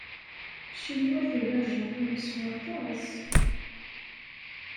Ccinwa tugar Japun s waṭas.